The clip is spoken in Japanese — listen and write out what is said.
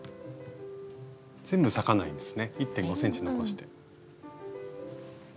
全部裂かないんですね１．５ｃｍ残して。